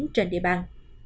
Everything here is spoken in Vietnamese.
trên địa bàn